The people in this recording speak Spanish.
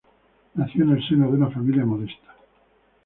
Nació en el seno de una familia modesta.